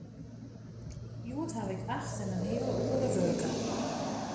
Hjoed haw ik acht en in heal oere wurke.